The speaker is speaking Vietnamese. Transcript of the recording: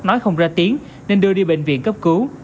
nói không ra tiến nên đưa đi bệnh viện cấp cứu